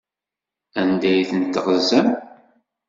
Anda ay tent-teɣzam?